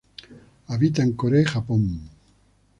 Habita en Corea y Japón.